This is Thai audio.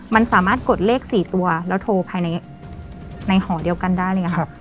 มันสามารถกดเลข๔ตัวแล้วโทรภายในหอเดียวกันได้เลยค่ะ